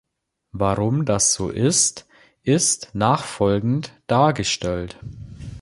Warum das so ist, ist nachfolgend dargestellt.